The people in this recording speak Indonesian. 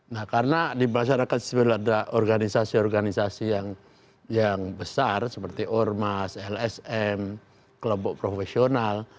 nah karena di masyarakat sipil ada organisasi organisasi yang besar seperti ormas lsm kelompok profesional